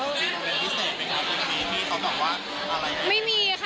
มีอะไรพิเศษไหมคะมีคำบอกว่าอะไร